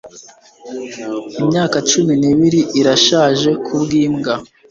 imyaka cumi n'ibiri irashaje kubwa imbwa